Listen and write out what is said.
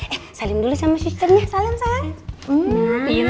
eh salim dulu sama susunnya salim sayang